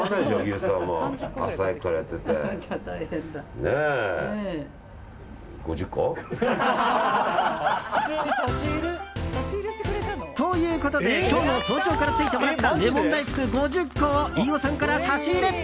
設楽さんは朝早くからやってて。ということで今日の早朝からついてもらったレモン大福５０個を飯尾さんから差し入れ！